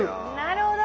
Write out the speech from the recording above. なるほど。